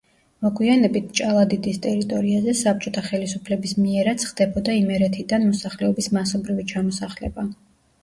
მოგვიანებით ჭალადიდის ტერიტორიაზე საბჭოთა ხელისუფლების მიერაც ხდებოდა იმერეთიდან მოსახლეობის მასობრივი ჩამოსახლება.